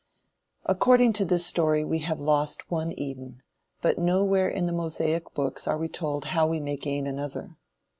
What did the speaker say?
According to this story we have lost one Eden, but nowhere in the Mosaic books are we told how we may gain another.